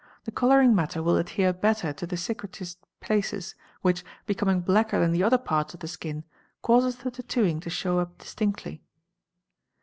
the colouring matter will adhere better to the ~ cicatrised places which, becoming blacker than the other parts of the ski n, causes the tattooing to show up distinctly.